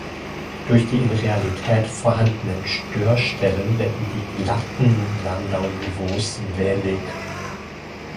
Durch die in Realität vorhandenen Störstellen werden die „glatten“ Landau-Niveaus „wellig“.